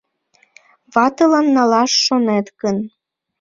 Ватылан налаш шонет гын